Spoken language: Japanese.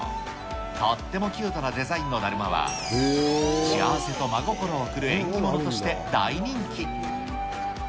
とってもキュートなデザインのだるまは、幸せと真心を贈る縁起物として大人気。